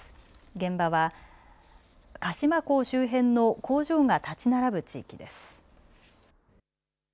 現場は鹿島港周辺の工場が建ち並ぶ地域です。